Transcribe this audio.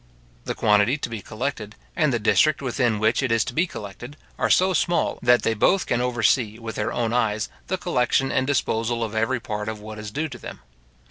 The quantity to be collected, and the district within which it is to be collected, are so small, that they both can oversee, with their own eyes, the collection and disposal of every part of what is due to them.